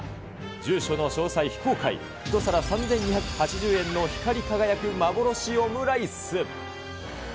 住所の詳細非公開、１皿３２８０円の光り輝く幻オムライス。